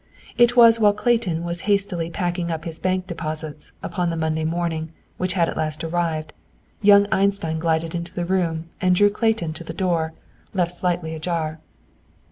It was while Clayton was hastily packing up his bank deposits, upon the Monday morning, which had at last arrived, young Einstein glided into the room and drew Clayton to the door, left slightly ajar.